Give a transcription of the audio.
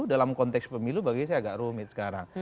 dalam konteks pemilu bagi saya agak rumit sekarang